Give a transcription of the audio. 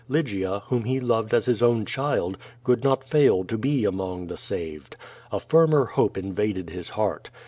Lygia, whom he loved as his own child, could not fail to be among the saved. A firmer hope invaded his heart.